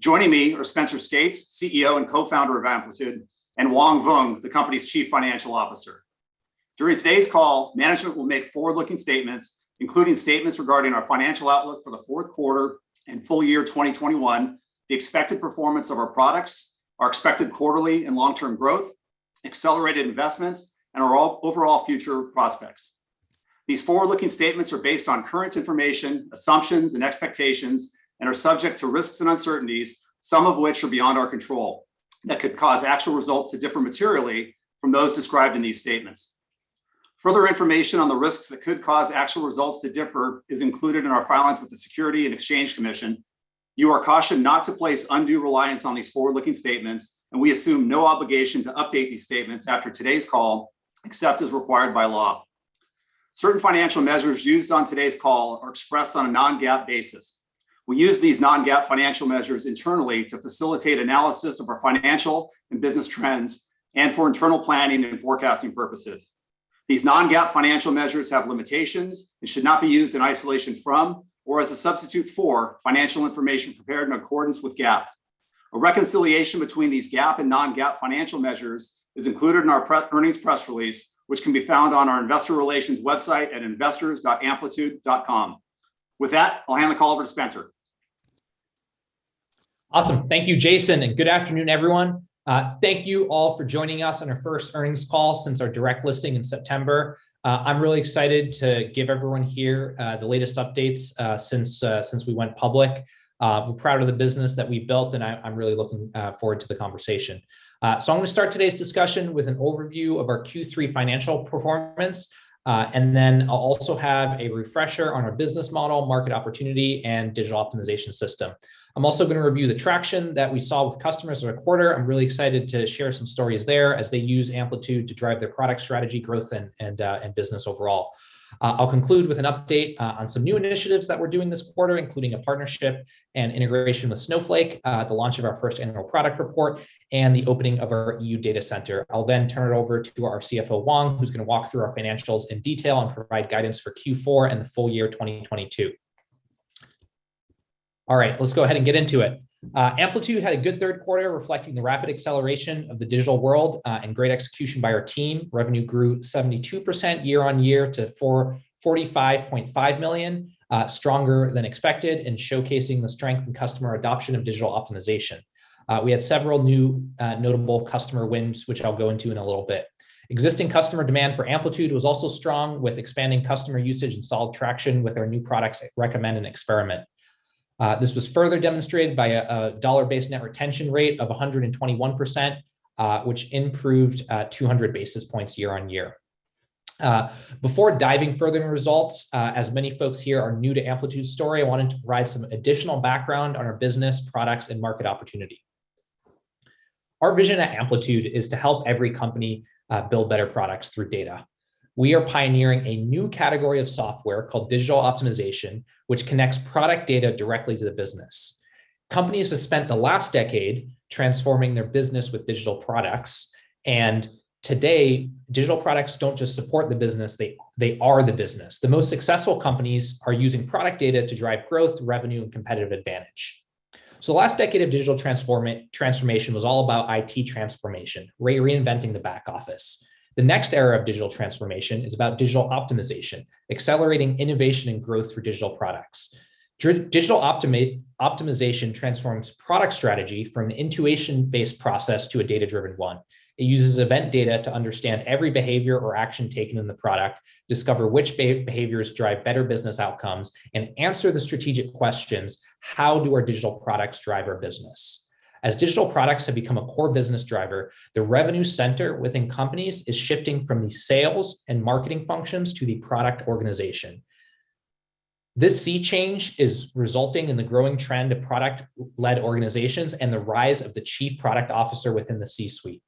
Joining me are Spenser Skates, CEO and Co-Founder of Amplitude, and Hoang Vuong, the company's Chief Financial Officer. During today's call, management will make forward-looking statements, including statements regarding our financial outlook for the fourth quarter and full year 2021, the expected performance of our products, our expected quarterly and long-term growth, accelerated investments, and our overall future prospects. These forward-looking statements are based on current information, assumptions and expectations and are subject to risks and uncertainties, some of which are beyond our control, that could cause actual results to differ materially from those described in these statements. Further information on the risks that could cause actual results to differ is included in our filings with the Securities and Exchange Commission. You are cautioned not to place undue reliance on these forward-looking statements, and we assume no obligation to update these statements after today's call, except as required by law. Certain financial measures used on today's call are expressed on a non-GAAP basis. We use these non-GAAP financial measures internally to facilitate analysis of our financial and business trends and for internal planning and forecasting purposes. These non-GAAP financial measures have limitations and should not be used in isolation from, or as a substitute for, financial information prepared in accordance with GAAP. A reconciliation between these GAAP and non-GAAP financial measures is included in our pre-earnings press release, which can be found on our investor relations website at investors.amplitude.com. With that, I'll hand the call over to Spenser. Awesome. Thank you, Jason, and good afternoon, everyone. Thank you all for joining us on our first earnings call since our direct listing in September. I'm really excited to give everyone here the latest updates since we went public. We're proud of the business that we built, and I'm really looking forward to the conversation. I'm gonna start today's discussion with an overview of our Q3 financial performance, and then I'll also have a refresher on our business model, market opportunity and Digital Optimization System. I'm also gonna review the traction that we saw with customers in our quarter. I'm really excited to share some stories there as they use Amplitude to drive their product strategy, growth and business overall. I'll conclude with an update on some new initiatives that we're doing this quarter, including a partnership and integration with Snowflake, the launch of our first annual product report, and the opening of our EU data center. I'll then turn it over to our CFO, Hoang, who's gonna walk through our financials in detail and provide guidance for Q4 and the full year 2022. All right, let's go ahead and get into it. Amplitude had a good third quarter reflecting the rapid acceleration of the digital world and great execution by our team. Revenue grew 72% year-over-year to $45.5 million, stronger than expected and showcasing the strength in customer adoption of digital optimization. We had several new notable customer wins, which I'll go into in a little bit. Existing customer demand for Amplitude was also strong with expanding customer usage and solid traction with our new products, Recommend and Experiment. This was further demonstrated by a dollar-based net retention rate of 121%, which improved 200 basis points year-over-year. Before diving further in results, as many folks here are new to Amplitude's story, I wanted to provide some additional background on our business, products and market opportunity. Our vision at Amplitude is to help every company build better products through data. We are pioneering a new category of software called digital optimization, which connects product data directly to the business. Companies have spent the last decade transforming their business with digital products, and today, digital products don't just support the business, they are the business. The most successful companies are using product data to drive growth, revenue and competitive advantage. The last decade of digital transformation was all about IT transformation, reinventing the back office. The next era of digital transformation is about digital optimization, accelerating innovation and growth through digital products. Digital optimization transforms product strategy from an intuition-based process to a data-driven one. It uses event data to understand every behavior or action taken in the product, discover which behaviors drive better business outcomes, and answer the strategic questions, how do our digital products drive our business? As digital products have become a core business driver, the revenue center within companies is shifting from the sales and marketing functions to the product organization. This sea change is resulting in the growing trend of product-led organizations and the rise of the chief product officer within the C-suite.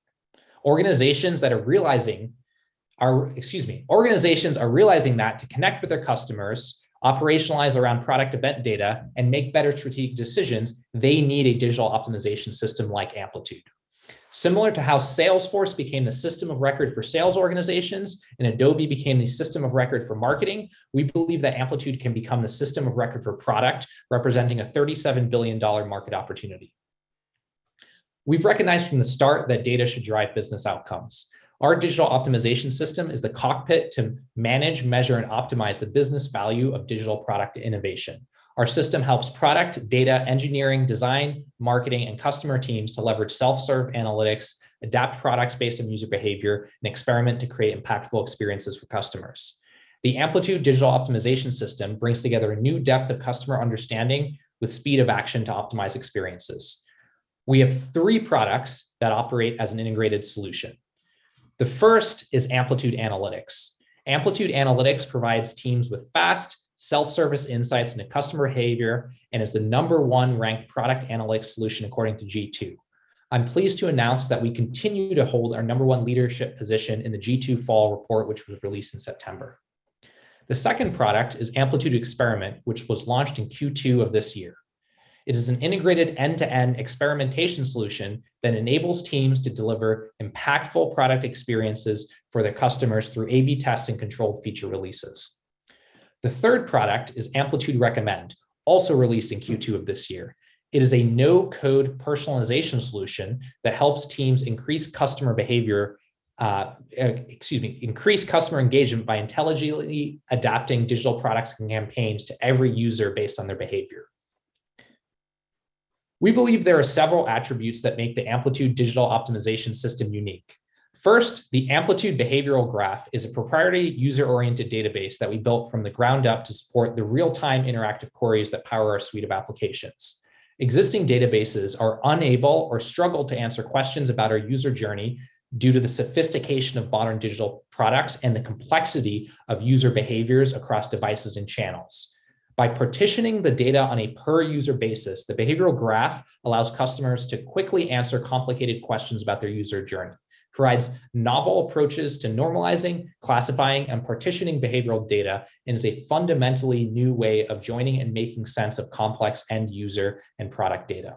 Organizations are realizing that to connect with their customers, operationalize around product event data and make better strategic decisions, they need a Digital Optimization System like Amplitude. Similar to how Salesforce became the system of record for sales organizations and Adobe became the system of record for marketing, we believe that Amplitude can become the system of record for product, representing a $37 billion market opportunity. We've recognized from the start that data should drive business outcomes. Our Digital Optimization System is the cockpit to manage, measure and optimize the business value of digital product innovation. Our system helps product, data engineering, design, marketing and customer teams to leverage self-serve analytics, adapt products based on user behavior, and experiment to create impactful experiences for customers. The Amplitude Digital Optimization System brings together a new depth of customer understanding with speed of action to optimize experiences. We have three products that operate as an integrated solution. The first is Amplitude Analytics. Amplitude Analytics provides teams with fast, self-service insights into customer behavior and is the number one ranked product analytics solution according to G2. I'm pleased to announce that we continue to hold our number one leadership position in the G2 Fall Report, which was released in September. The second product is Amplitude Experiment, which was launched in Q2 of this year. It is an integrated end-to-end experimentation solution that enables teams to deliver impactful product experiences for their customers through A/B tests and controlled feature releases. The third product is Amplitude Recommend, also released in Q2 of this year. It is a no-code personalization solution that helps teams increase customer engagement by intelligently adapting digital products and campaigns to every user based on their behavior. We believe there are several attributes that make the Amplitude Digital Optimization System unique. First, the Amplitude Behavioral Graph is a proprietary user-oriented database that we built from the ground up to support the real-time interactive queries that power our suite of applications. Existing databases are unable or struggle to answer questions about our user journey due to the sophistication of modern digital products and the complexity of user behaviors across devices and channels. By partitioning the data on a per user basis, the Behavioral Graph allows customers to quickly answer complicated questions about their user journey, provides novel approaches to normalizing, classifying, and partitioning behavioral data, and is a fundamentally new way of joining and making sense of complex end user and product data.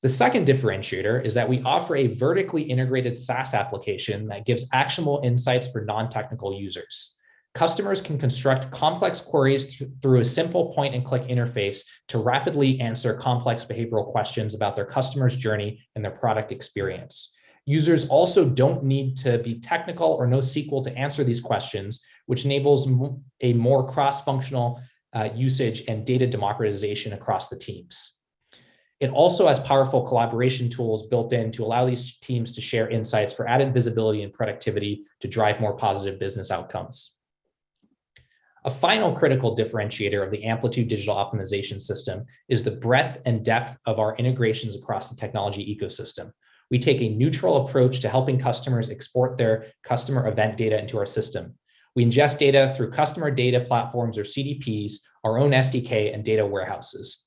The second differentiator is that we offer a vertically integrated SaaS application that gives actionable insights for non-technical users. Customers can construct complex queries through a simple point and click interface to rapidly answer complex behavioral questions about their customer's journey and their product experience. Users also don't need to be technical or know SQL to answer these questions, which enables a more cross-functional usage and data democratization across the teams. It also has powerful collaboration tools built in to allow these teams to share insights for added visibility and productivity to drive more positive business outcomes. A final critical differentiator of the Amplitude Digital Optimization System is the breadth and depth of our integrations across the technology ecosystem. We take a neutral approach to helping customers export their customer event data into our system. We ingest data through customer data platforms or CDPs, our own SDK, and data warehouses.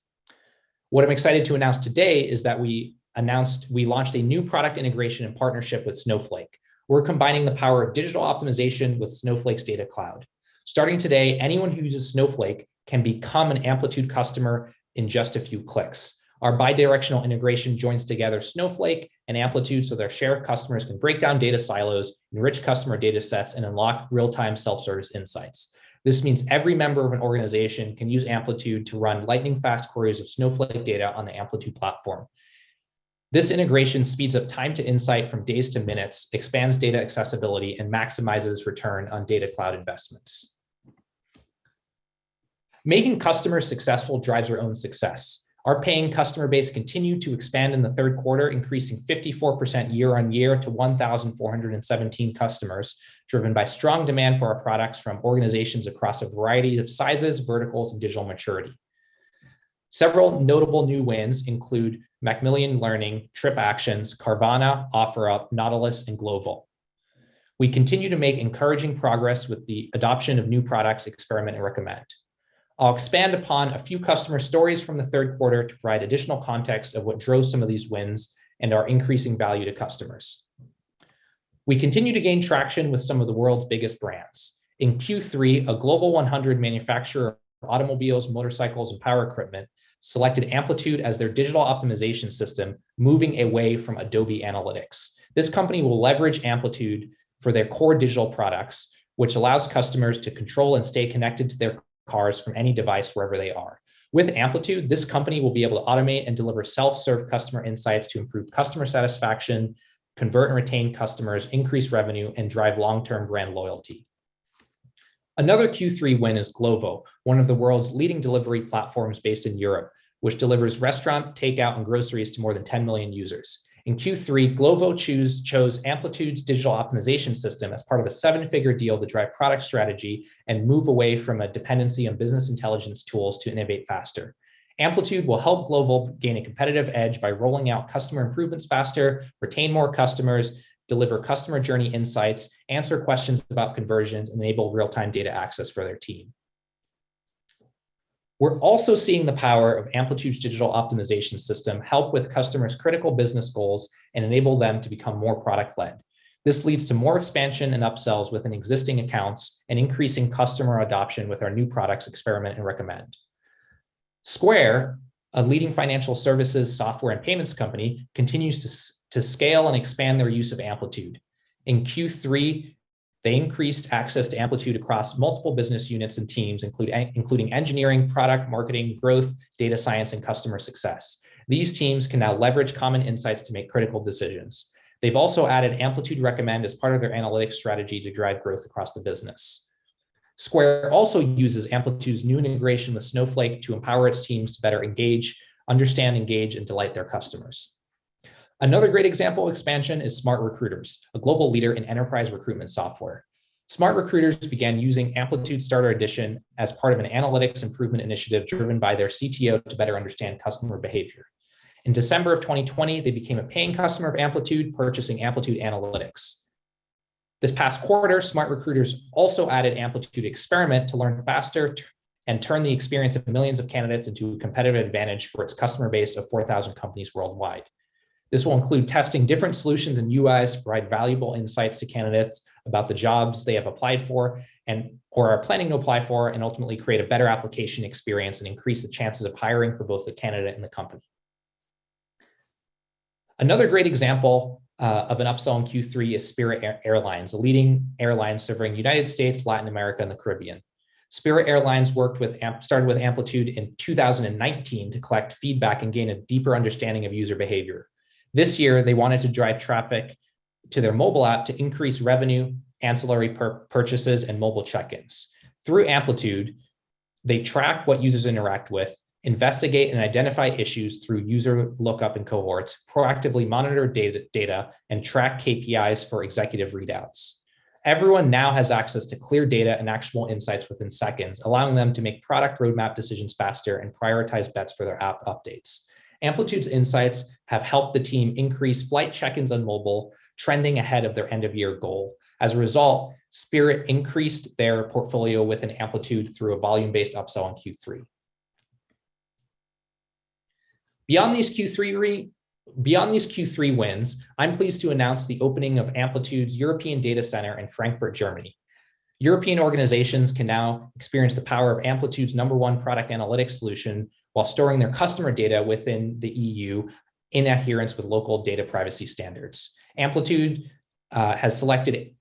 What I'm excited to announce today is that we launched a new product integration and partnership with Snowflake. We're combining the power of digital optimization with Snowflake's Data Cloud. Starting today, anyone who uses Snowflake can become an Amplitude customer in just a few clicks. Our bi-directional integration joins together Snowflake and Amplitude, so their shared customers can break down data silos, enrich customer data sets, and unlock real-time self-service insights. This means every member of an organization can use Amplitude to run lightning fast queries of Snowflake data on the Amplitude platform. This integration speeds up time to insight from days to minutes, expands data accessibility, and maximizes return on Data Cloud investments. Making customers successful drives our own success. Our paying customer base continued to expand in the third quarter, increasing 54% year-over-year to 1,417 customers, driven by strong demand for our products from organizations across a variety of sizes, verticals, and digital maturity. Several notable new wins include Macmillan Learning, TripActions, Carvana, OfferUp, Nautilus, and Glovo. We continue to make encouraging progress with the adoption of new products, Experiment and Recommend. I'll expand upon a few customer stories from the third quarter to provide additional context of what drove some of these wins and our increasing value to customers. We continue to gain traction with some of the world's biggest brands. In Q3, a global 100 manufacturer of automobiles, motorcycles, and power equipment selected Amplitude as their Digital Optimization System, moving away from Adobe Analytics. This company will leverage Amplitude for their core digital products, which allows customers to control and stay connected to their cars from any device, wherever they are. With Amplitude, this company will be able to automate and deliver self-serve customer insights to improve customer satisfaction, convert and retain customers, increase revenue, and drive long-term brand loyalty. Another Q3 win is Glovo, one of the world's leading delivery platforms based in Europe, which delivers restaurant, takeout, and groceries to more than 10 million users. In Q3, Glovo chose Amplitude's Digital Optimization System as part of a seven-figure deal to drive product strategy and move away from a dependency on business intelligence tools to innovate faster. Amplitude will help Glovo gain a competitive edge by rolling out customer improvements faster, retain more customers, deliver customer journey insights, answer questions about conversions, enable real-time data access for their team. We're also seeing the power of Amplitude's Digital Optimization System help with customers' critical business goals and enable them to become more product-led. This leads to more expansion and upsells within existing accounts and increasing customer adoption with our new products, Experiment and Recommend. Square, a leading financial services software and payments company, continues to scale and expand their use of Amplitude. In Q3, they increased access to Amplitude across multiple business units and teams, including engineering, product, marketing, growth, data science, and customer success. These teams can now leverage common insights to make critical decisions. They've also added Amplitude Recommend as part of their analytics strategy to drive growth across the business. Square also uses Amplitude's new integration with Snowflake to empower its teams to better engage, understand, and delight their customers. Another great example expansion is SmartRecruiters, a global leader in enterprise recruitment software. SmartRecruiters began using Amplitude Starter Edition as part of an analytics improvement initiative driven by their CTO to better understand customer behavior. In December 2020, they became a paying customer of Amplitude, purchasing Amplitude Analytics. This past quarter, SmartRecruiters also added Amplitude Experiment to learn faster and turn the experience of millions of candidates into a competitive advantage for its customer base of 4,000 companies worldwide. This will include testing different solutions and UIs to provide valuable insights to candidates about the jobs they have applied for and/or are planning to apply for, and ultimately create a better application experience and increase the chances of hiring for both the candidate and the company. Another great example of an upsell in Q3 is Spirit Airlines, a leading airline serving United States, Latin America, and the Caribbean. Spirit Airlines started with Amplitude in 2019 to collect feedback and gain a deeper understanding of user behavior. This year, they wanted to drive traffic to their mobile app to increase revenue, ancillary purchases, and mobile check-ins. Through Amplitude, they track what users interact with, investigate and identify issues through user lookup and cohorts, proactively monitor data, and track KPIs for executive readouts. Everyone now has access to clear data and actionable insights within seconds, allowing them to make product roadmap decisions faster and prioritize bets for their app updates. Amplitude's insights have helped the team increase flight check-ins on mobile, trending ahead of their end-of-year goal. As a result, Spirit increased their portfolio with an Amplitude through a volume-based upsell in Q3. Beyond these Q3 wins, I'm pleased to announce the opening of Amplitude's European data center in Frankfurt, Germany. European organizations can now experience the power of Amplitude's number one product analytics solution while storing their customer data within the EU in adherence with local data privacy standards. Amplitude has selected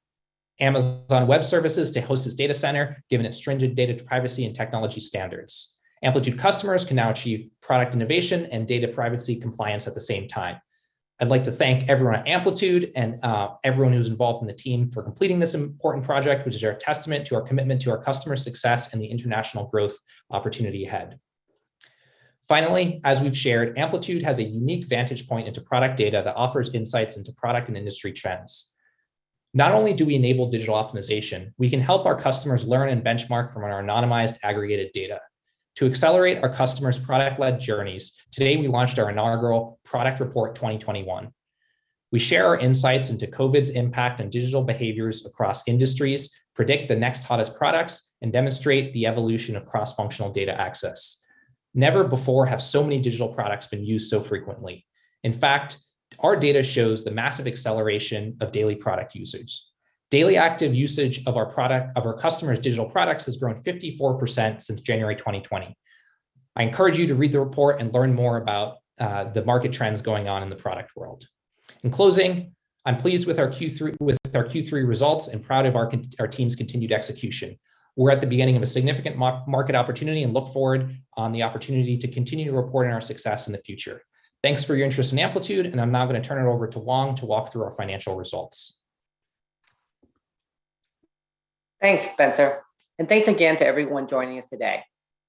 Amazon Web Services to host its data center given its stringent data privacy and technology standards. Amplitude customers can now achieve product innovation and data privacy compliance at the same time. I'd like to thank everyone at Amplitude and everyone who's involved in the team for completing this important project, which is our testament to our commitment to our customers' success and the international growth opportunity ahead. Finally, as we've shared, Amplitude has a unique vantage point into product data that offers insights into product and industry trends. Not only do we enable digital optimization, we can help our customers learn and benchmark from our anonymized, aggregated data. To accelerate our customers' product-led journeys, today we launched our inaugural Product Report 2021. We share our insights into COVID's impact on digital behaviors across industries, predict the next hottest products, and demonstrate the evolution of cross-functional data access. Never before have so many digital products been used so frequently. In fact, our data shows the massive acceleration of daily product usage. Daily active usage of our customers' digital products has grown 54% since January 2020. I encourage you to read the report and learn more about the market trends going on in the product world. In closing, I'm pleased with our Q3 results and proud of our team's continued execution. We're at the beginning of a significant market opportunity and look forward to the opportunity to continue to report on our success in the future. Thanks for your interest in Amplitude, and I'm now gonna turn it over to Hoang Vuong to walk through our financial results. Thanks, Spenser. Thanks again to everyone joining us today.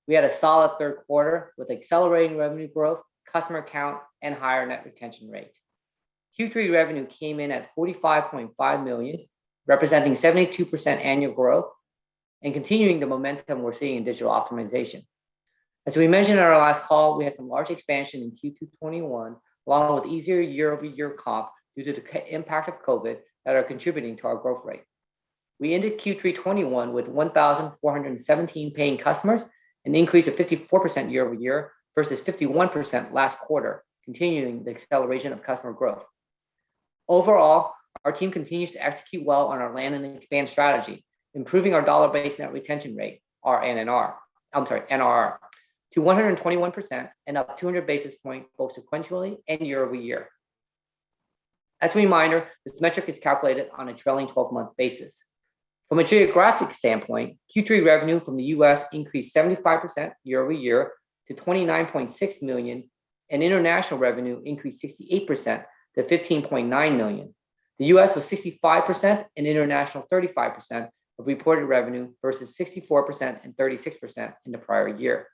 We had a solid third quarter with accelerating revenue growth, customer count, and higher net retention rate. Q3 revenue came in at $45.5 million, representing 72% annual growth and continuing the momentum we're seeing in digital optimization. As we mentioned in our last call, we had some large expansion in Q2 2021, along with easier year-over-year comp due to the COVID impact that are contributing to our growth rate. We ended Q3 2021 with 1,417 paying customers, an increase of 54% year-over-year, versus 51% last quarter, continuing the acceleration of customer growth. Overall, our team continues to execute well on our land and expand strategy, improving our dollar-based net retention rate, our NRR. NRR to 121% and up 200 basis points both sequentially and year-over-year. As a reminder, this metric is calculated on a trailing twelve-month basis. From a geographic standpoint, Q3 revenue from the U.S. increased 75% year-over-year to $29.6 million, and international revenue increased 68% to $15.9 million. The U.S. was 65% and international 35% of reported revenue versus 64% and 36% in the prior year.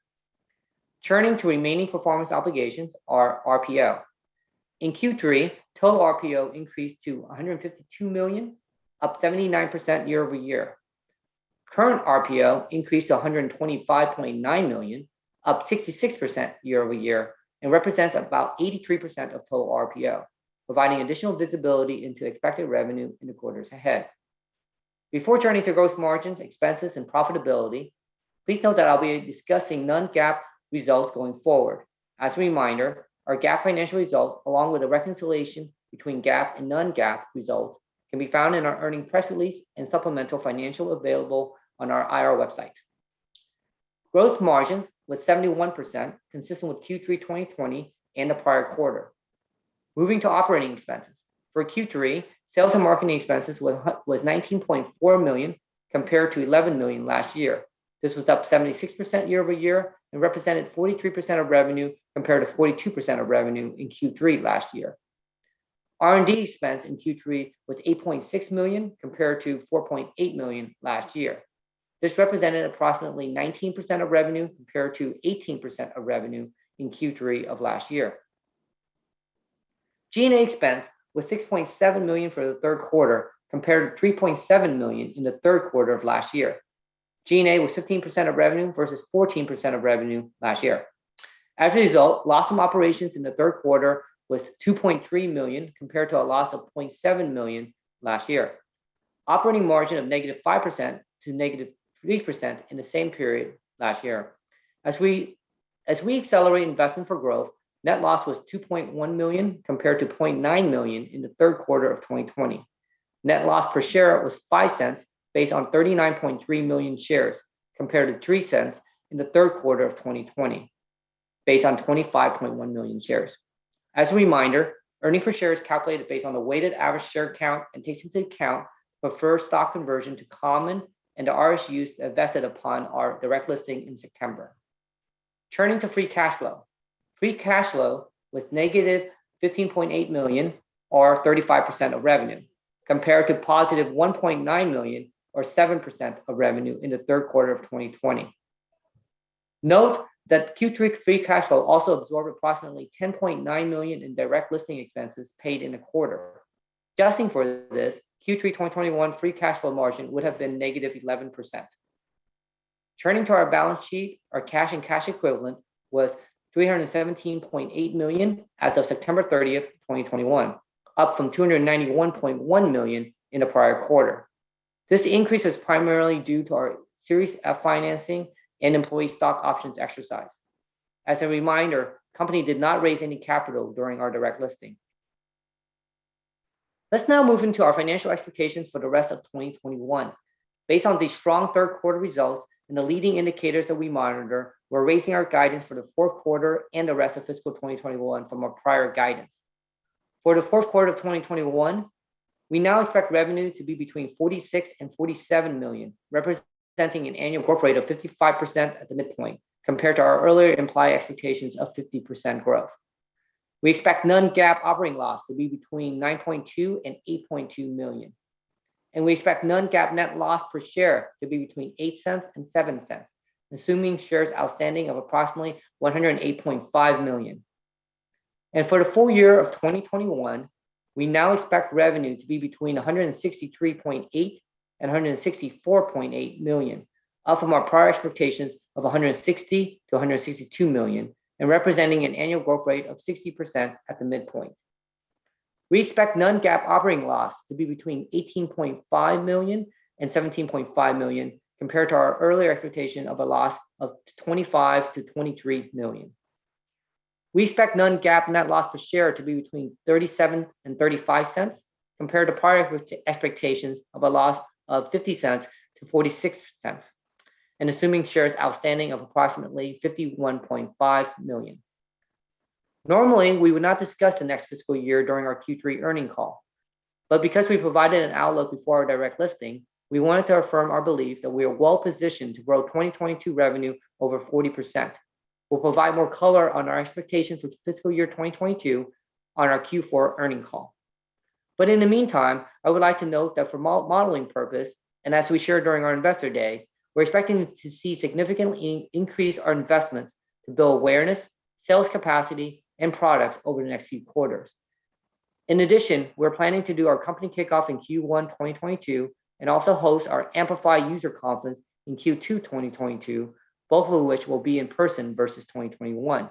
Turning to remaining performance obligations or RPO. In Q3, total RPO increased to $152 million, up 79% year-over-year. Current RPO increased to $125.9 million, up 66% year-over-year and represents about 83% of total RPO, providing additional visibility into expected revenue in the quarters ahead. Before turning to gross margins, expenses, and profitability, please note that I'll be discussing non-GAAP results going forward. As a reminder, our GAAP financial results, along with a reconciliation between GAAP and non-GAAP results, can be found in our earnings press release and supplemental financials available on our IR website. Gross margin was 71%, consistent with Q3 2020 and the prior quarter. Moving to operating expenses. For Q3, sales and marketing expenses was $19.4 million, compared to $11 million last year. This was up 76% year-over-year and represented 43% of revenue, compared to 42% of revenue in Q3 last year. R&D expense in Q3 was $8.6 million, compared to $4.8 million last year. This represented approximately 19% of revenue, compared to 18% of revenue in Q3 of last year. G&A expense was $6.7 million for the third quarter, compared to $3.7 million in the third quarter of last year. G&A was 15% of revenue versus 14% of revenue last year. As a result, loss from operations in the third quarter was $2.3 million, compared to a loss of $0.7 million last year. Operating margin of -5% to -3% in the same period last year. As we accelerate investment for growth, net loss was $2.1 million, compared to $0.9 million in the third quarter of 2020. Net loss per share was $0.05 based on 39.3 million shares compared to $0.03 in the third quarter of 2020 based on 25.1 million shares. As a reminder, earnings per share is calculated based on the weighted average share count and takes into account preferred stock conversion to common and the RSUs that vested upon our direct listing in September. Turning to free cash flow. Free cash flow was negative $15.8 million or 35% of revenue compared to positive $1.9 million or 7% of revenue in the third quarter of 2020. Note that Q3 free cash flow also absorbed approximately $10.9 million in direct listing expenses paid in the quarter. Adjusting for this, Q3 2021 free cash flow margin would have been negative 11%. Turning to our balance sheet, our cash and cash equivalents was $317.8 million as of September 30, 2021, up from $291.1 million in the prior quarter. This increase is primarily due to our Series F financing and employee stock options exercise. As a reminder, company did not raise any capital during our direct listing. Let's now move into our financial expectations for the rest of 2021. Based on the strong third quarter results and the leading indicators that we monitor, we're raising our guidance for the fourth quarter and the rest of fiscal 2021 from our prior guidance. For the fourth quarter of 2021, we now expect revenue to be between $46 million and $47 million, representing an annual growth rate of 55% at the midpoint compared to our earlier implied expectations of 50% growth. We expect non-GAAP operating loss to be between $9.2 million-$8.2 million, and we expect non-GAAP net loss per share to be between $0.08-$0.07, assuming shares outstanding of approximately 108.5 million. For the full year of 2021, we now expect revenue to be between $163.8 million-$164.8 million, up from our prior expectations of $160-$162 million, and representing an annual growth rate of 60% at the midpoint. We expect non-GAAP operating loss to be between $18.5 million-$17.5 million compared to our earlier expectation of a loss of $25-$23 million. We expect non-GAAP net loss per share to be between $0.37 and $0.35 compared to prior expectations of a loss of $0.50 to $0.46 and assuming shares outstanding of approximately 51.5 million. Normally, we would not discuss the next fiscal year during our Q3 earnings call, but because we provided an outlook before our direct listing, we wanted to affirm our belief that we are well-positioned to grow 2022 revenue over 40%. We'll provide more color on our expectations for the fiscal year 2022 on our Q4 earnings call. In the meantime, I would like to note that for modeling purposes and as we shared during our Investor Day, we're expecting to significantly increase our investments to build awareness, sales capacity, and products over the next few quarters. In addition, we're planning to do our company kickoff in Q1 2022 and also host our Amplify user conference in Q2 2022, both of which will be in person versus 2021.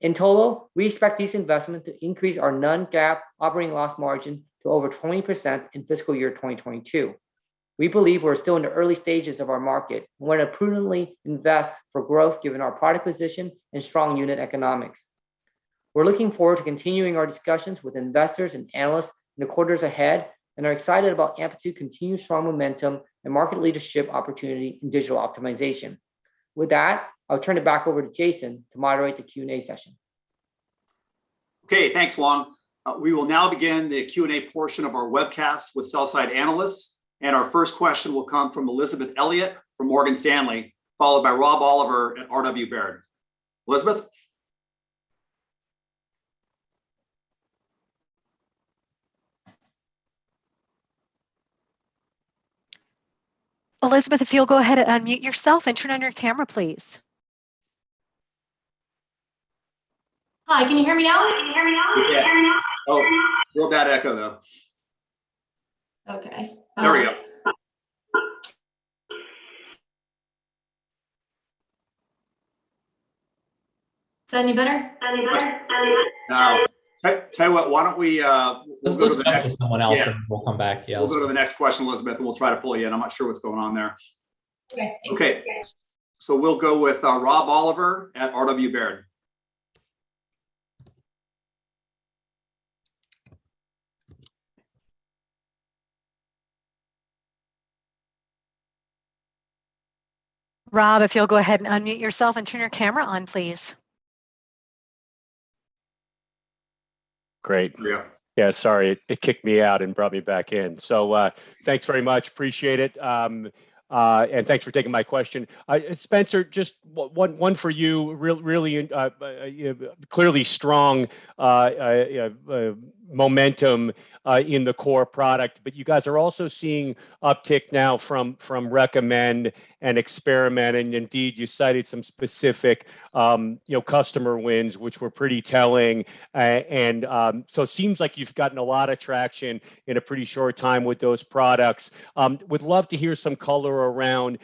In total, we expect these investments to increase our non-GAAP operating loss margin to over 20% in fiscal year 2022. We believe we're still in the early stages of our market and want to prudently invest for growth given our product position and strong unit economics. We're looking forward to continuing our discussions with investors and analysts in the quarters ahead and are excited about Amplitude's continued strong momentum and market leadership opportunity in digital optimization. With that, I'll turn it back over to Jason to moderate the Q&A session. Okay, thanks, Hoang. We will now begin the Q&A portion of our webcast with sell-side analysts, and our first question will come from Elizabeth Elliott from Morgan Stanley, followed by Rob Oliver at Robert W. Baird & Co.. Elizabeth? Elizabeth, if you'll go ahead and unmute yourself and turn on your camera, please. Hi, can you hear me now? We can. Oh, little bad echo though. Okay. There we go. Is that any better? No. Tell you what, why don't we Let's go to the next. Yeah someone else, and we'll come back. Yeah, let's We'll go to the next question, Elizabeth, and we'll try to pull you in. I'm not sure what's going on there. Okay. Thank you. Okay. We'll go with Rob Oliver at R.W. Baird. Rob, if you'll go ahead and unmute yourself and turn your camera on, please. Great. Yeah. Yeah, sorry. It kicked me out and brought me back in. Thanks very much. Appreciate it. Thanks for taking my question. Spenser, just one for you. Really clearly strong momentum in the core product, but you guys are also seeing uptick now from Recommend and Experiment. Indeed, you cited some specific, you know, customer wins, which were pretty telling. Seems like you've gotten a lot of traction in a pretty short time with those products. Would love to hear some color around,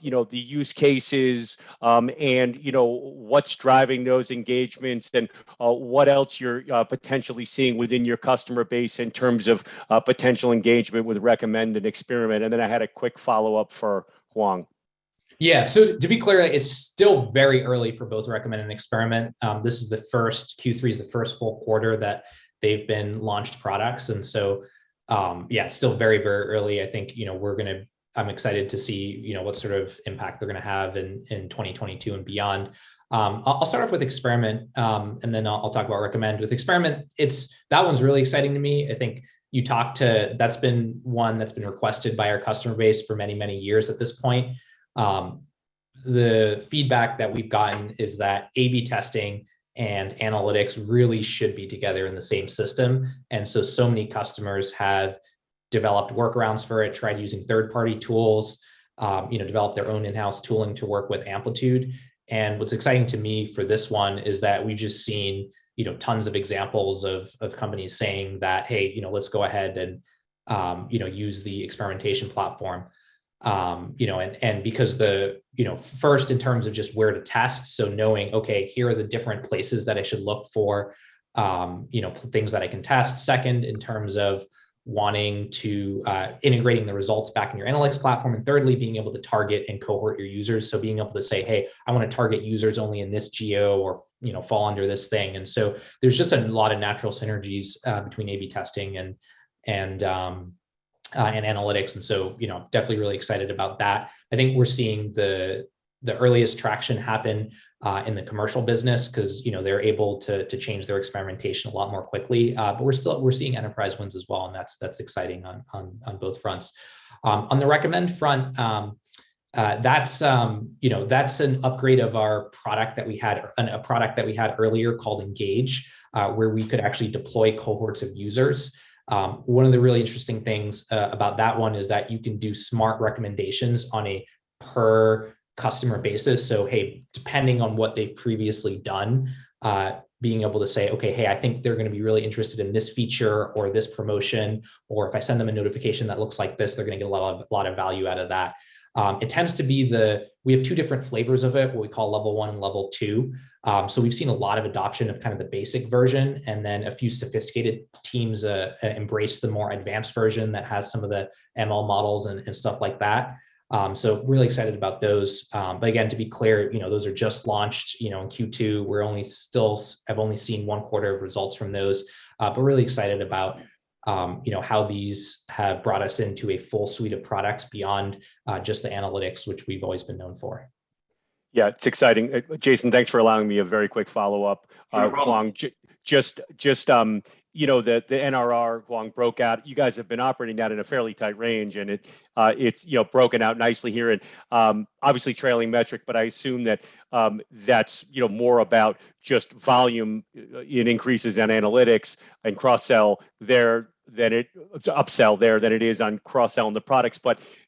you know, the use cases, and, you know, what's driving those engagements and what else you're potentially seeing within your customer base in terms of potential engagement with Recommend and Experiment. Then I had a quick follow-up for Hoang. Yeah. To be clear, it's still very early for both Recommend and Experiment. This is Q3, the first full quarter that they've been launched products. Yeah, still very early. I think, you know, I'm excited to see, you know, what sort of impact they're gonna have in 2022 and beyond. I'll start off with Experiment, and then I'll talk about Recommend. With Experiment, it's that one's really exciting to me. I think that's been one that's been requested by our customer base for many years at this point. The feedback that we've gotten is that A/B testing and analytics really should be together in the same system, and so many customers have developed workarounds for it, tried using third-party tools, you know, developed their own in-house tooling to work with Amplitude. What's exciting to me for this one is that we've just seen, you know, tons of examples of companies saying that, "Hey, you know, let's go ahead and, you know, use the experimentation platform." You know, and because the, you know, first, in terms of just where to test, so knowing, okay, here are the different places that I should look for, you know, things that I can test. Second, in terms of wanting to integrating the results back in your analytics platform. Thirdly, being able to target and cohort your users. Being able to say, "Hey, I wanna target users only in this geo or, you know, fall under this thing." There's just a lot of natural synergies between A/B testing and analytics and so, you know, definitely really excited about that. I think we're seeing the earliest traction happen in the commercial business 'cause, you know, they're able to change their experimentation a lot more quickly. We're still seeing enterprise ones as well, and that's exciting on both fronts. On the Recommend front, that's an upgrade of our product that we had or a product that we had earlier called Engage, where we could actually deploy cohorts of users. One of the really interesting things about that one is that you can do smart recommendations on a per-customer basis. Hey, depending on what they've previously done, being able to say, "Okay, hey, I think they're gonna be really interested in this feature or this promotion," or, "If I send them a notification that looks like this, they're gonna get a lot of value out of that." It tends to be. We have two different flavors of it, what we call level one and level two. We've seen a lot of adoption of kind of the basic version, and then a few sophisticated teams embrace the more advanced version that has some of the ML models and stuff like that. Really excited about those. Again, to be clear, you know, those are just launched, you know, in Q2. We have only seen one quarter of results from those, but we're really excited about, you know, how these have brought us into a full suite of products beyond just the analytics which we've always been known for. Yeah. It's exciting. Jason, thanks for allowing me a very quick follow-up. Sure, Rob Hoang. Just, you know, the NRR, Hoang, broke out, you guys have been operating that at a fairly tight range, and it's, you know, broken out nicely here. Obviously trailing metric, but I assume that that's, you know, more about just volume increases on analytics and cross-sell there than it is on upsell there than it is on cross-sell on the products.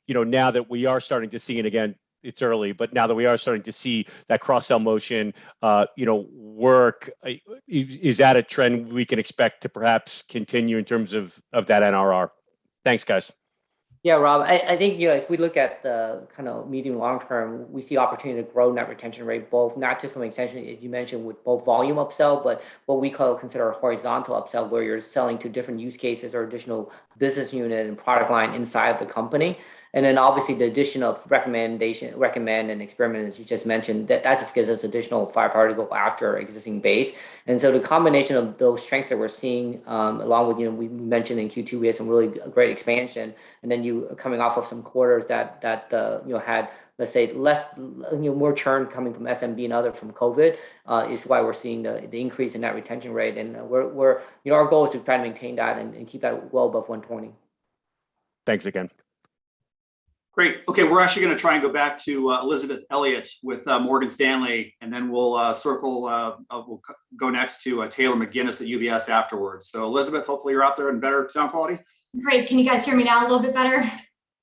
You know, now that we are starting to see it, again, it's early, but now that we are starting to see that cross-sell motion work, is that a trend we can expect to perhaps continue in terms of that NRR? Thanks, guys. Yeah, Rob. I think, you know, as we look at the kinda medium long-term, we see opportunity to grow net retention rate, both not just from extension, as you mentioned, with both volume upsell, but what we call or consider a horizontal upsell where you're selling to different use cases or additional business unit and product line inside the company. Then obviously the addition of recommendation, Recommend and Experiment, as you just mentioned, that just gives us additional firepower to go after our existing base. The combination of those strengths that we're seeing, along with, you know, we mentioned in Q2 we had some really a great expansion, and then coming off of some quarters that you know had, let's say, more churn coming from SMB and other from COVID is why we're seeing the increase in that retention rate. We're, you know, our goal is to try to maintain that and keep that well above 120%. Thanks again. Great. Okay. We're actually gonna try and go back to Elizabeth Elliott with Morgan Stanley, and then we'll go next to Taylor McGinnis at UBS afterwards. Elizabeth, hopefully you're out there in better sound quality. Great. Can you guys hear me now a little bit better?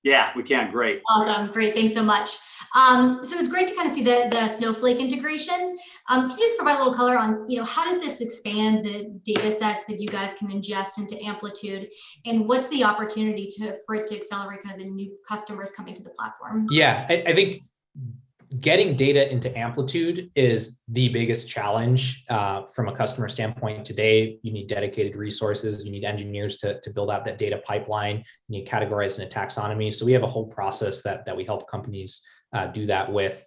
Yeah, we can. Great. Awesome. Great. Thanks so much. It's great to kind of see the Snowflake integration. Can you just provide a little color on, you know, how does this expand the data sets that you guys can ingest into Amplitude? And what's the opportunity to for it to accelerate kind of the new customers coming to the platform? Yeah. I think getting data into Amplitude is the biggest challenge from a customer standpoint today. You need dedicated resources. You need engineers to build out that data pipeline. You need categories and a taxonomy. So we have a whole process that we help companies do that with.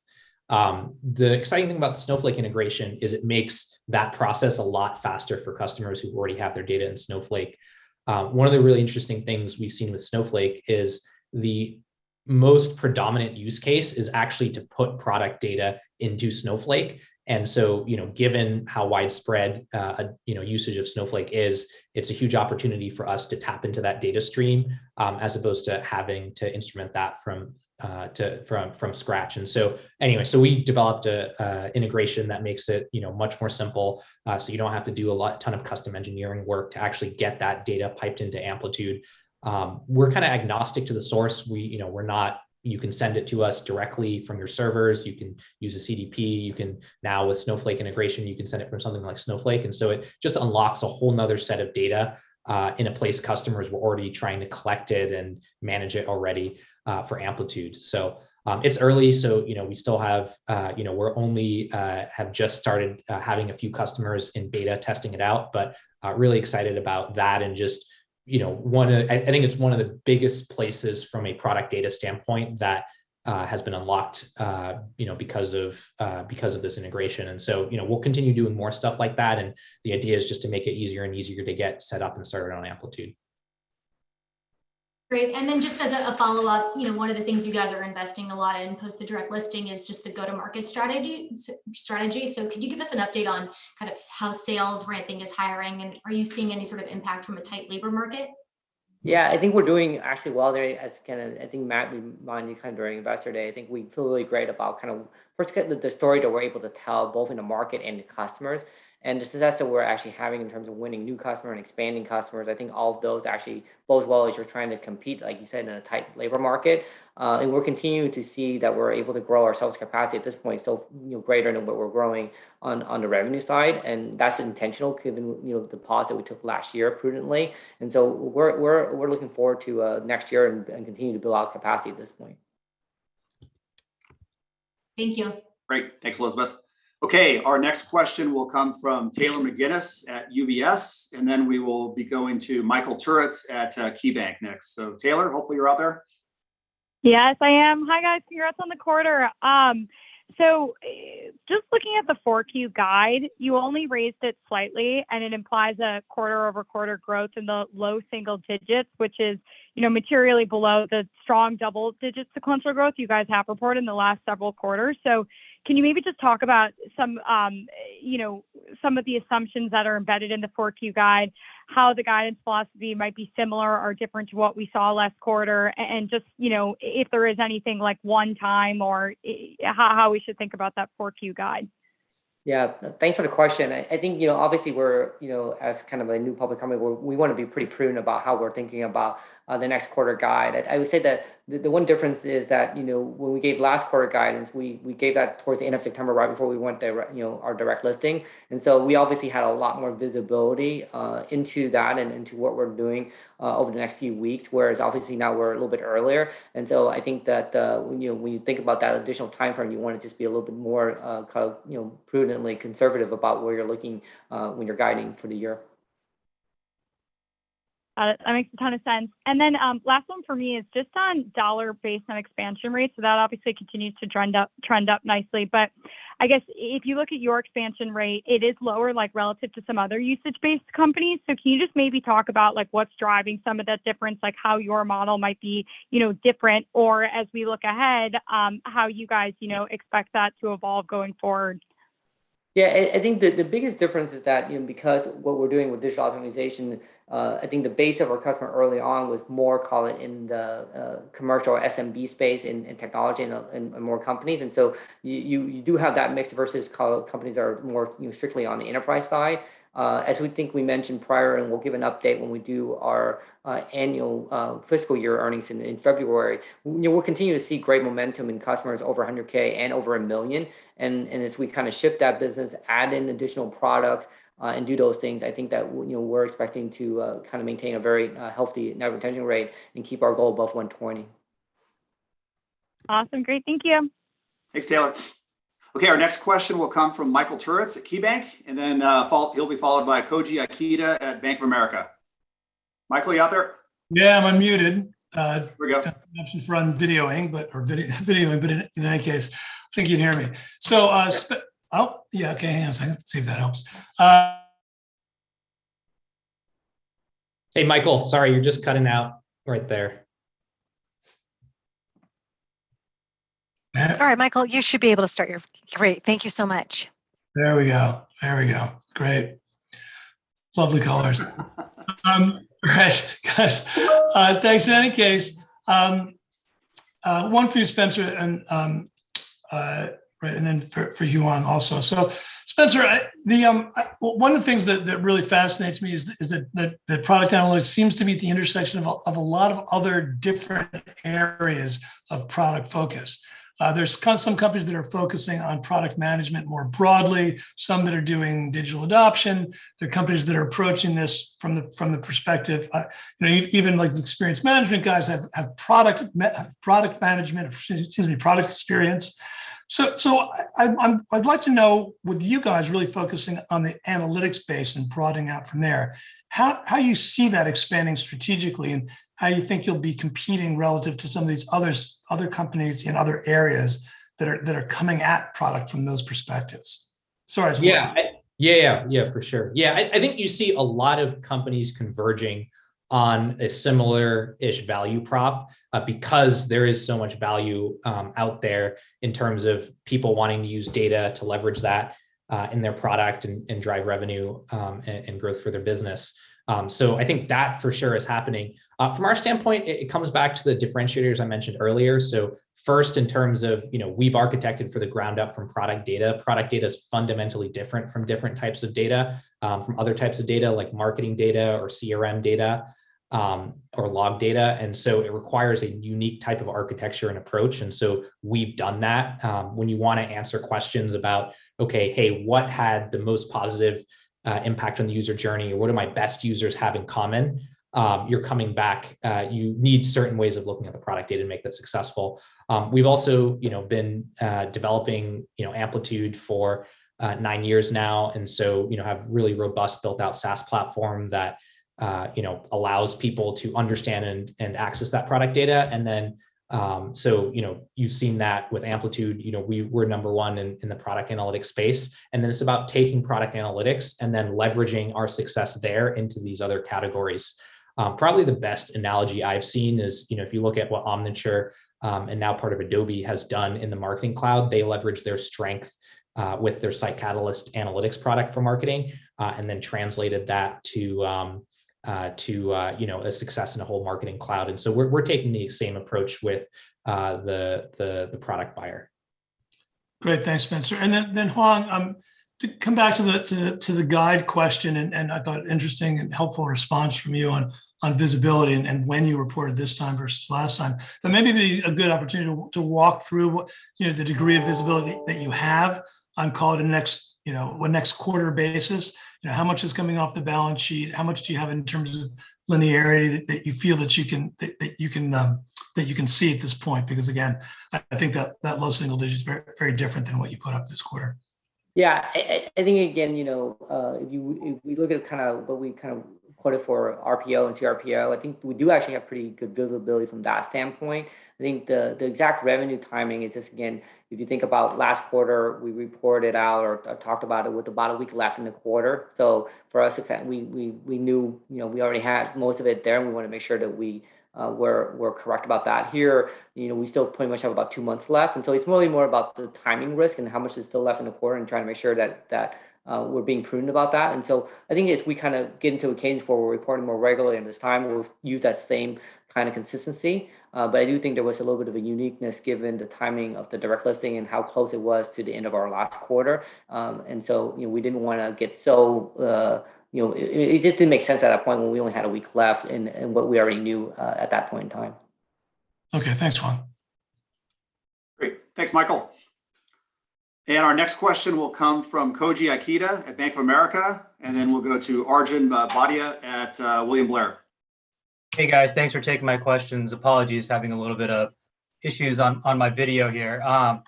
The exciting thing about the Snowflake integration is it makes that process a lot faster for customers who already have their data in Snowflake. One of the really interesting things we've seen with Snowflake is the most predominant use case is actually to put product data into Snowflake. You know, given how widespread usage of Snowflake is, it's a huge opportunity for us to tap into that data stream as opposed to having to instrument that from scratch. We developed an integration that makes it, you know, much more simple, so you don't have to do a ton of custom engineering work to actually get that data piped into Amplitude. We're kinda agnostic to the source. You know, you can send it to us directly from your servers. You can use a CDP. You can, now with Snowflake integration, you can send it from something like Snowflake. It just unlocks a whole nother set of data in a place customers were already trying to collect it and manage it already for Amplitude. It's early, you know, we still have, you know, we have just started having a few customers in beta testing it out. Really excited about that. Just, you know, one of... I think it's one of the biggest places from a product data standpoint that has been unlocked, you know, because of this integration. You know, we'll continue doing more stuff like that, and the idea is just to make it easier and easier to get set up and started on Amplitude. Great. Then just as a follow-up, you know, one of the things you guys are investing a lot in post the direct listing is just the go-to-market strategy. So could you give us an update on kind of how sales ramping is hiring, and are you seeing any sort of impact from a tight labor market? Yeah. I think we're doing actually well there. As kind of I think Matt reminded me kind of during Investor Day, I think we feel really great about kind of first getting the story that we're able to tell, both in the market and to customers, and the success that we're actually having in terms of winning new customer and expanding customers. I think all of those actually bodes well as you're trying to compete, like you said, in a tight labor market. We're continuing to see that we're able to grow our sales capacity at this point so, you know, greater than what we're growing on the revenue side, and that's intentional given, you know, the pause that we took last year prudently. We're looking forward to next year and continue to build out capacity at this point. Thank you. Great. Thanks, Elizabeth. Okay, our next question will come from Taylor McGinnis at UBS, and then we will be going to Michael Turits at KeyBanc next. Taylor, hopefully you're out there. Yes, I am. Hi, guys. Congrats on the quarter. Just looking at the 4Q guide, you only raised it slightly, and it implies a quarter-over-quarter growth in the low single digits, which is, you know, materially below the strong double-digit sequential growth you guys have reported in the last several quarters. Can you maybe just talk about some, you know, some of the assumptions that are embedded in the 4Q guide, how the guidance philosophy might be similar or different to what we saw last quarter, and just, you know, if there is anything like one-time or how we should think about that 4Q guide? Yeah. Thanks for the question. I think, you know, obviously we're, you know, as kind of a new public company, we wanna be pretty prudent about how we're thinking about the next quarter guide. I would say that the one difference is that, you know, when we gave last quarter guidance, we gave that towards the end of September, right before our direct listing, and so we obviously had a lot more visibility into that and into what we're doing over the next few weeks, whereas obviously now we're a little bit earlier. I think that, when, you know, when you think about that additional timeframe, you wanna just be a little bit more, kind of, you know, prudently conservative about where you're looking when you're guiding for the year. Got it. That makes a ton of sense. Last one for me is just on dollar-based net expansion rates. That obviously continues to trend up nicely. I guess if you look at your expansion rate, it is lower, like, relative to some other usage-based companies. Can you just maybe talk about, like, what's driving some of that difference, like how your model might be, you know, different, or as we look ahead, how you guys, you know, expect that to evolve going forward? Yeah. I think the biggest difference is that, you know, because what we're doing with digital optimization, I think the base of our customer early on was more, call it, in the commercial SMB space in technology and more companies, and so you do have that mix versus, call it, companies that are more, you know, strictly on the enterprise side. As we think we mentioned prior, we'll give an update when we do our annual fiscal year earnings in February, you know, we'll continue to see great momentum in customers over 100K and over 1 million. As we kinda shift that business, add in additional products, and do those things, I think that, you know, we're expecting to kind of maintain a very healthy net retention rate and keep our goal above 120%. Awesome. Great. Thank you. Thanks, Taylor. Okay, our next question will come from Michael Turits at KeyBanc, and then he'll be followed by Koji Ikeda at Bank of America. Michael, you out there? Yeah, I'm unmuted. There we go. Kind of mentioned uncertain, but in that case, I think you can hear me. Yep oh, yeah, okay. Hang on a second. See if that helps. Hey, Michael, sorry. You're just cutting out right there. Matt? Sorry, Michael. Great. Thank you so much. There we go. Great. Lovely colors. Right. Gosh. Thanks in any case. One for you, Spenser, and right, and then for you, Hoang, also. Spenser, one of the things that really fascinates me is that the product analytics seems to be at the intersection of a lot of other different areas of product focus. There's some companies that are focusing on product management more broadly, some that are doing digital adoption. There are companies that are approaching this from the perspective, you know, even like, the experience management guys have product experience. Excuse me, product experience. I'm... I'd like to know, with you guys really focusing on the analytics base and prodding out from there, how you see that expanding strategically and how you think you'll be competing relative to some of these others, other companies in other areas that are coming at product from those perspectives. Sorry, Spenser. Yeah. I think you see a lot of companies converging on a similar-ish value prop, because there is so much value out there in terms of people wanting to use data to leverage that in their product and drive revenue and growth for their business. I think that for sure is happening. From our standpoint, it comes back to the differentiators I mentioned earlier. First, in terms of, you know, we've architected for the ground up from product data. Product data is fundamentally different from different types of data from other types of data, like marketing data or CRM data or log data, and so it requires a unique type of architecture and approach, and so we've done that. When you wanna answer questions about, okay, hey, what had the most positive impact on the user journey, or what do my best users have in common? You're coming back, you need certain ways of looking at the product data to make that successful. We've also, you know, been developing, you know, Amplitude for nine years now, and so, you know, have really robust built-out SaaS platform that, you know, allows people to understand and access that product data. Then, so, you know, you've seen that with Amplitude. You know, we're number one in the product analytics space. Then it's about taking product analytics and then leveraging our success there into these other categories. Probably the best analogy I've seen is, you know, if you look at what Omniture, and now part of Adobe, has done in the Marketing Cloud, they leverage their strength with their SiteCatalyst analytics product for marketing, and then translated that to, you know, a success in a whole Marketing Cloud. We're taking the same approach with the product buyer. Great. Thanks, Spenser. Then Hoang Vuong, to come back to the guide question, and I thought interesting and helpful response from you on visibility and when you reported this time versus last time. Maybe it'd be a good opportunity to walk through what, you know, the degree of visibility that you have on call it a next, you know, a next quarter basis. You know, how much is coming off the balance sheet? How much do you have in terms of linearity that you feel that you can see at this point? Because again, I think that low single digit is very, very different than what you put up this quarter. Yeah. I think again, you know, if we look at what we quoted for RPO and CRPO, I think we do actually have pretty good visibility from that standpoint. I think the exact revenue timing is just again, if you think about last quarter, we reported out or talked about it with about a week left in the quarter. For us, again, we knew, you know, we already had most of it there, and we wanna make sure that we're correct about that. Here, you know, we still pretty much have about two months left, and so it's really more about the timing risk and how much is still left in the quarter and trying to make sure that we're being prudent about that. I think as we kinda get into a cadence where we're reporting more regularly and this time we'll use that same kinda consistency, but I do think there was a little bit of a uniqueness given the timing of the direct listing and how close it was to the end of our last quarter. You know, we didn't wanna get so, you know. It just didn't make sense at that point when we only had a week left and what we already knew at that point in time. Okay. Thanks, Hoang. Great. Thanks, Michael. Our next question will come from Koji Ikeda at Bank of America, and then we'll go to Arjun Bhatia at William Blair. Hey, guys. Thanks for taking my questions. Apologies, having a little bit of issues on my video here. Got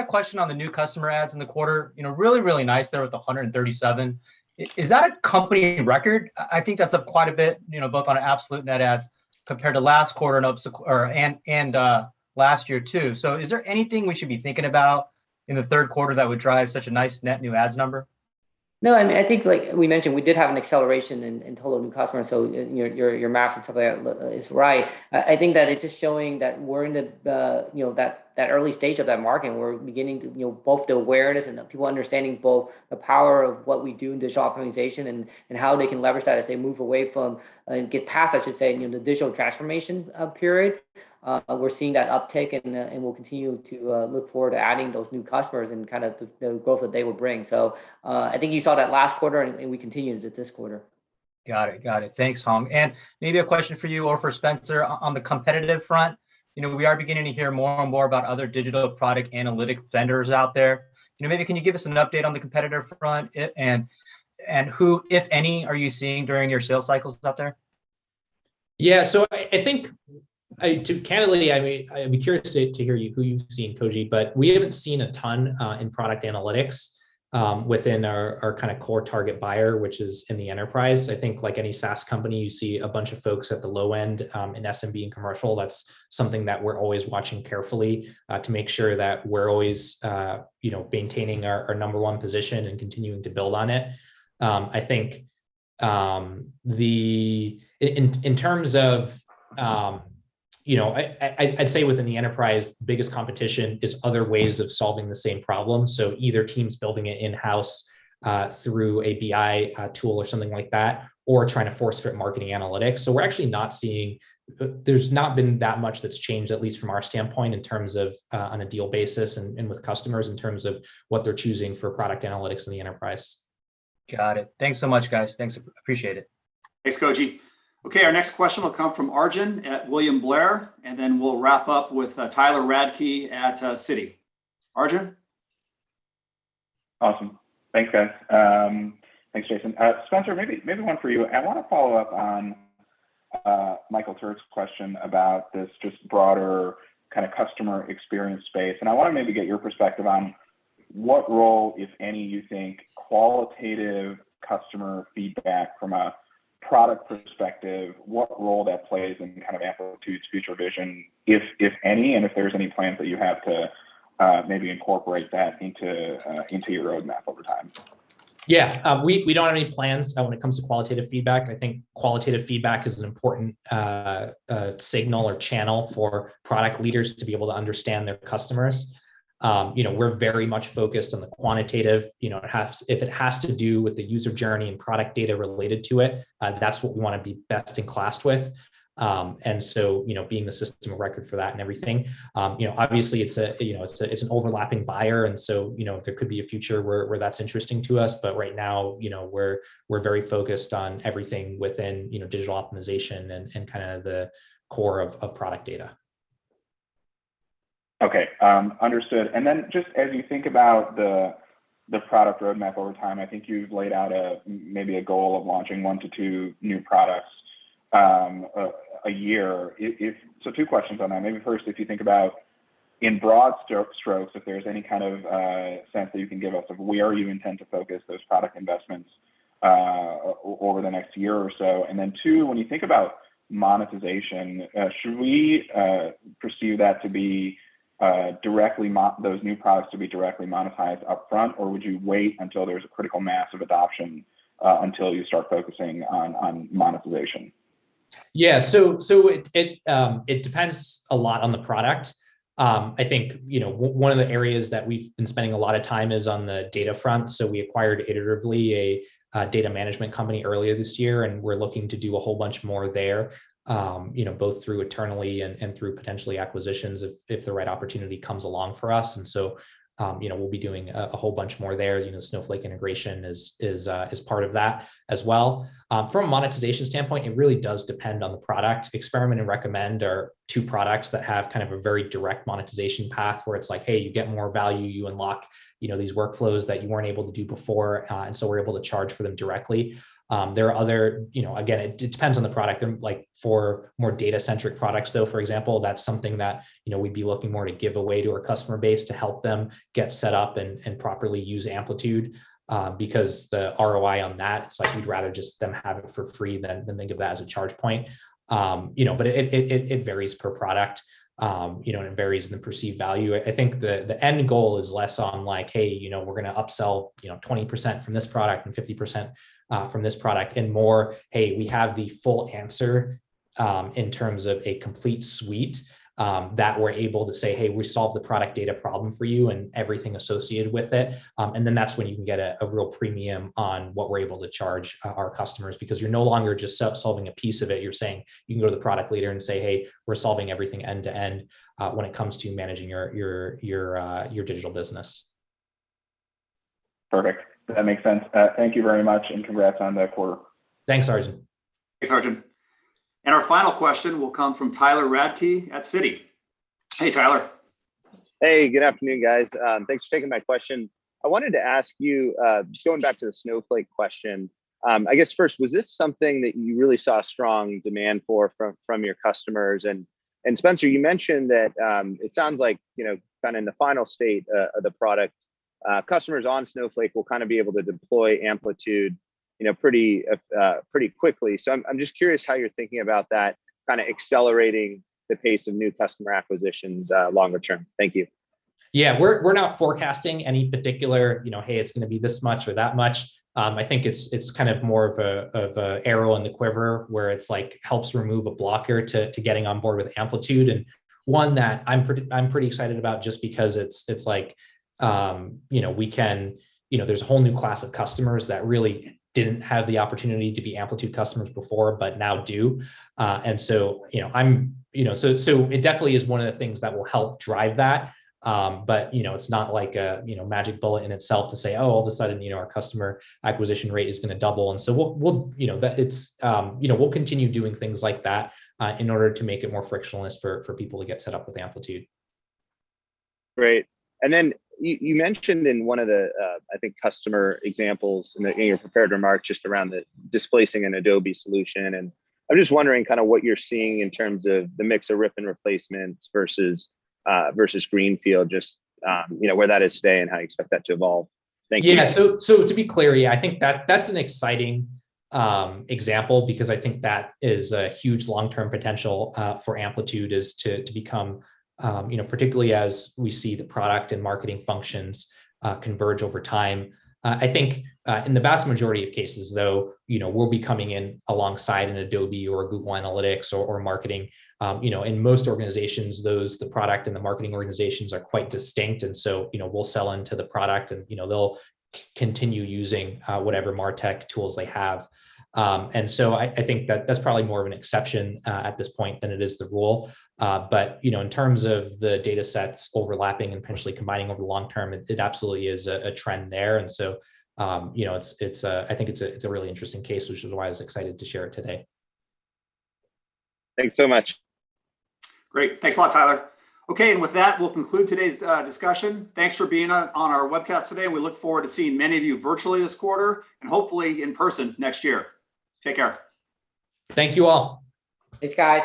a question on the new customer adds in the quarter. You know, really nice there with the 137. Is that a company record? I think that's up quite a bit, you know, both on absolute net adds compared to last quarter and last year too. Is there anything we should be thinking about in the third quarter that would drive such a nice net new adds number? No, I mean, I think like we mentioned, we did have an acceleration in total new customers, so your math and stuff like that is right. I think that it's just showing that we're in the you know that early stage of that market and we're beginning to you know both the awareness and the people understanding both the power of what we do in digital optimization and how they can leverage that as they move away from and get past, I should say, you know, the digital transformation period. We're seeing that uptick and we'll continue to look forward to adding those new customers and kind of the growth that they will bring. So I think you saw that last quarter and we continued it this quarter. Got it. Thanks, Hoang. Maybe a question for you or for Spenser on the competitive front. You know, we are beginning to hear more and more about other digital product analytics vendors out there. You know, maybe can you give us an update on the competitive front, and who, if any, are you seeing during your sales cycles out there? Yeah, I think, to candidly, I mean, I'd be curious to hear you, who you've seen, Koji, but we haven't seen a ton in product analytics within our kinda core target buyer, which is in the enterprise. I think like any SaaS company, you see a bunch of folks at the low end in SMB and commercial. That's something that we're always watching carefully to make sure that we're always you know, maintaining our number one position and continuing to build on it. I think in terms of you know, I'd say within the enterprise, the biggest competition is other ways of solving the same problem, so either teams building it in-house through API tool or something like that, or trying to force fit marketing analytics. We're actually not seeing that much that's changed, at least from our standpoint, in terms of on a deal basis and with customers in terms of what they're choosing for product analytics in the enterprise. Got it. Thanks so much, guys. Thanks. Appreciate it. Thanks, Koji. Okay, our next question will come from Arjun at William Blair, and then we'll wrap up with Tyler Radke at Citi. Arjun? Awesome. Thanks, guys. Thanks, Jason. Spenser, maybe one for you. I wanna follow up on Michael Turits's question about this just broader kinda customer experience space, and I wanna maybe get your perspective on what role, if any, you think qualitative customer feedback from a product perspective, what role that plays and kind of Amplitude's future vision, if any, and if there's any plans that you have to maybe incorporate that into your roadmap over time. Yeah. We don't have any plans when it comes to qualitative feedback. I think qualitative feedback is an important signal or channel for product leaders to be able to understand their customers. You know, we're very much focused on the quantitative. You know, if it has to do with the user journey and product data related to it, that's what we wanna be best in class with. You know, being the system of record for that and everything, you know, obviously it's an overlapping buyer, so you know, there could be a future where that's interesting to us. But right now, you know, we're very focused on everything within, you know, digital optimization and kinda the core of product data. Okay. Understood. Just as you think about the product roadmap over time, I think you've laid out maybe a goal of launching 1-2 new products a year. Two questions on that. Maybe first, if you think about in broad strokes, if there's any kind of sense that you can give us of where you intend to focus those product investments over the next year or so. Two, when you think about monetization, should we pursue those new products to be directly monetized upfront, or would you wait until there's a critical mass of adoption until you start focusing on monetization? It depends a lot on the product. I think, you know, one of the areas that we've been spending a lot of time is on the data front. We acquired Iteratively, a data management company, earlier this year, and we're looking to do a whole bunch more there, you know, both through internally and through potential acquisitions if the right opportunity comes along for us. You know, we'll be doing a whole bunch more there. You know, Snowflake integration is part of that as well. From a monetization standpoint, it really does depend on the product. Experiment and Recommend are two products that have kind of a very direct monetization path, where it's like, hey, you get more value, you unlock, you know, these workflows that you weren't able to do before, and so we're able to charge for them directly. There are other, you know, again, it depends on the product and, like, for more data-centric products though, for example, that's something that, you know, we'd be looking more to give away to our customer base to help them get set up and properly use Amplitude, because the ROI on that, it's like you'd rather just them have it for free than think of that as a charge point. You know, but it varies per product. You know, it varies in the perceived value. I think the end goal is less on like, hey, you know, we're gonna upsell, you know, 20% from this product and 50% from this product, and more, hey, we have the full answer in terms of a complete suite that we're able to say, "Hey, we solved the product data problem for you and everything associated with it." That's when you can get a real premium on what we're able to charge our customers. Because you're no longer just solving a piece of it, you're saying you can go to the product leader and say, "Hey, we're solving everything end to end when it comes to managing your digital business. Perfect. That makes sense. Thank you very much and congrats on the quarter. Thanks, Arjun. Thanks, Arjun. Our final question will come from Tyler Radke at Citi. Hey, Tyler. Hey. Good afternoon, guys. Thanks for taking my question. I wanted to ask you, going back to the Snowflake question, I guess, first, was this something that you really saw a strong demand for from your customers? Spenser, you mentioned that, it sounds like, you know, kind of in the final state of the product, customers on Snowflake will kind of be able to deploy Amplitude, you know, pretty quickly. I'm just curious how you're thinking about that kind of accelerating the pace of new customer acquisitions longer term? Thank you. Yeah. We're not forecasting any particular, you know, hey, it's gonna be this much or that much. I think it's kind of more of a arrow in the quiver, where it's like helps remove a blocker to getting on board with Amplitude. One that I'm pretty excited about just because it's like, you know, we can, you know, there's a whole new class of customers that really didn't have the opportunity to be Amplitude customers before, but now do. You know, I'm, you know. It definitely is one of the things that will help drive that. You know, it's not like a, you know, magic bullet in itself to say, oh, all of a sudden, you know, our customer acquisition rate is gonna double. We'll, you know, it's, you know, we'll continue doing things like that in order to make it more frictionless for people to get set up with Amplitude. Great. Then you mentioned in one of the, I think customer examples in your prepared remarks just around the displacing an Adobe solution, and I'm just wondering kinda what you're seeing in terms of the mix of rip and replace versus greenfield, just, you know, where that is today and how you expect that to evolve. Thank you. To be clear, yeah, I think that's an exciting example because I think that is a huge long-term potential for Amplitude to become, you know, particularly as we see the product and marketing functions converge over time. I think in the vast majority of cases, though, you know, we'll be coming in alongside an Adobe or Google Analytics or marketing. You know, in most organizations, those, the product and the marketing organizations are quite distinct. You know, we'll sell into the product and, you know, they'll continue using whatever martech tools they have. I think that's probably more of an exception at this point than it is the rule. You know, in terms of the datasets overlapping and potentially combining over the long term, it absolutely is a trend there. You know, I think it's a really interesting case, which is why I was excited to share it today. Thanks so much. Great. Thanks a lot, Tyler. Okay. With that, we'll conclude today's discussion. Thanks for being on our webcast today. We look forward to seeing many of you virtually this quarter, and hopefully in person next year. Take care. Thank you all. Thanks, guys.